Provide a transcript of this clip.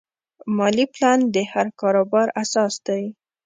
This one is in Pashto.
مالي پلان د هر کاروبار اساس دی.